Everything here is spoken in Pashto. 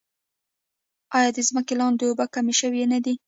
آیا د ځمکې لاندې اوبه کمې شوې نه دي؟